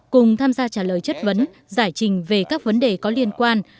cùng tham gia trả lời chất vấn giải trình về các vấn đề có liên quan